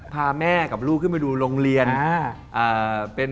พาแม่กับลูกขึ้นมาดูโรงเรียน